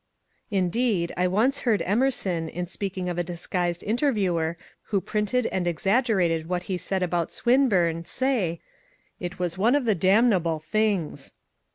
Indeed, I once heard Emerson, in speaking of a disguised interviewer who printed and exaggerated what he said about Swinburne, say, *' It was one of the damnable things."